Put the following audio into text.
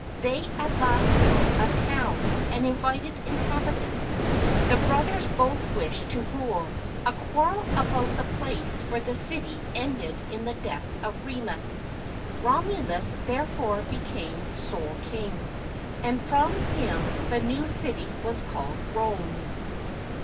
They at last built a town, and invited inhabitants. The brothers both wished to rule: a quarrel about the place for the city ended in the death of Remus. Romulus therefore became sole king, and from him the new city was called Rome.